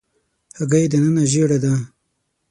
هګۍ دننه ژېړه ده.